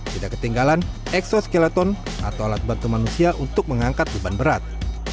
tidak ketinggalan eksoskeleton atau alat bantu manusia untuk mengangkat beban berat